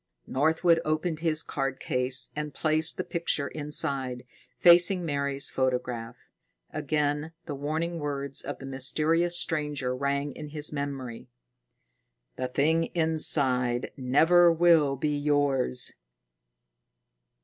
Northwood opened his card case and placed the picture inside, facing Mary's photograph. Again the warning words of the mysterious stranger rang in his memory: "_The thing inside never will be yours.